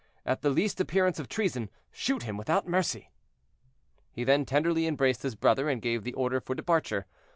at the least appearance of treason shoot him without mercy." He then tenderly embraced his brother, and gave the order for departure.